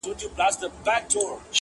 یاره بس چي له مقامه را سوه سم,